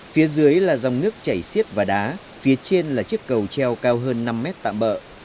phía dưới là dòng nước chảy xiết và đá phía trên là chiếc cầu treo cao hơn năm mét tạm bỡ